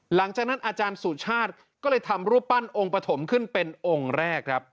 หลังจากนั้นอาจารย์สุชาติก็เลยทำรูปปั้นองค์ปฐมขึ้นเป็นองค์แรกครับ